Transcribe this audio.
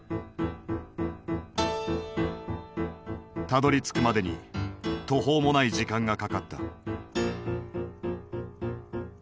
たどりつくまでに途方もない時間がかかった。